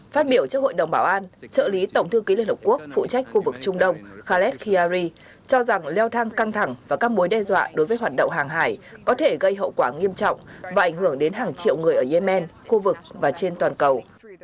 phát biểu trước hội đồng bảo an trợ lý tổng thư ký liên hợp quốc phụ trách khu vực trung đông khaled khayyari cho rằng leo thang căng thẳng và các mối đe dọa đối với hoạt động hàng hải có thể gây hậu quả nghiêm trọng và ảnh hưởng đến hàng triệu người ở yemen khu vực và trên toàn cầu